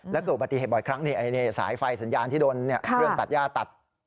แล้วเกิดอุบัติเหตุบ่อยครั้งสายไฟสัญญาณที่โดนเครื่องตัดย่าตัด